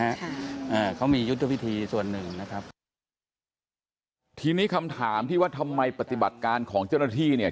อ่าเขามียุทธวิธีส่วนหนึ่งนะครับทีนี้คำถามที่ว่าทำไมปฏิบัติการของเจ้าหน้าที่เนี่ย